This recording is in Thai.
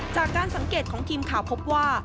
จากการสังเกตของทีมข่าวพบว่า